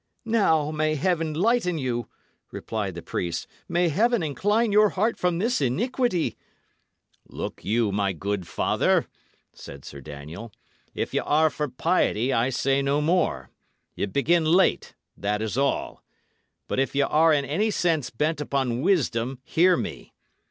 "Now, may Heaven lighten you!" replied the priest; "may Heaven incline your heart from this iniquity!" "Look you, my good father," said Sir Daniel, "if y' are for piety, I say no more; ye begin late, that is all. But if y' are in any sense bent upon wisdom, hear me.